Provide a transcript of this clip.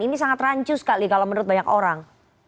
ini sangat rancu sekali kalau menurut banyak orang